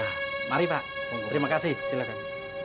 nah mari pak terima kasih silakan